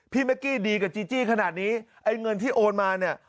แม่กี้ดีกับจีจี้ขนาดนี้ไอ้เงินที่โอนมาเนี่ย